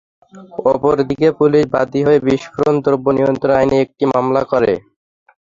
অপর দিকে পুলিশও বাদী হয়ে বিস্ফোরক দ্রব্য নিয়ন্ত্রণ আইনে একটি মামলা করে।